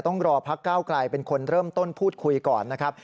ต้องรอพักก้าวไกลเป็นคนเริ่มต้นพูดคุยก่อนนะครับ